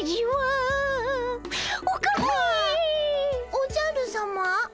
おじゃるさま。